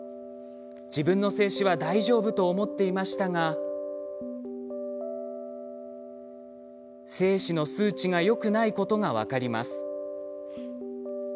自分の精子は大丈夫と思っていましたが精子の数値がよくないことが分かります。